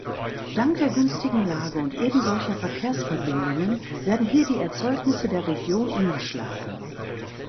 Dank der günstigen Lage und ebensolcher Verkehrsverbindungen werden hier die Erzeugnisse der Region umgeschlagen.